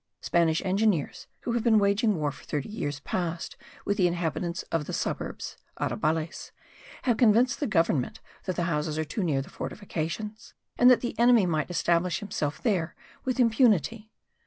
Spanish engineers, who have been waging war for thirty years past with the inhabitants of the suburbs (arrabales), have convinced the government that the houses are too near the fortifications, and that the enemy might establish himself there with impunity.